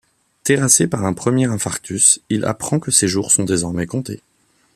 Terrassé par un premier infarctus, il apprend que ses jours sont désormais comptés.